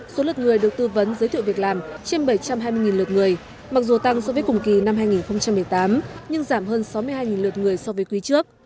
số lượt người được tư vấn giới thiệu việc làm trên bảy trăm hai mươi lượt người mặc dù tăng so với cùng kỳ năm hai nghìn một mươi tám nhưng giảm hơn sáu mươi hai lượt người so với quý trước